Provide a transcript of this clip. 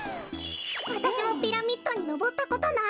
わたしもピラミッドにのぼったことない。